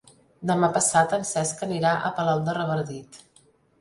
Demà passat en Cesc anirà a Palol de Revardit.